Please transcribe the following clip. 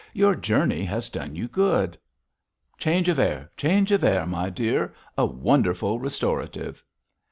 'Your journey has done you good.' 'Change of air, change of air, my dear. A wonderful restorative.'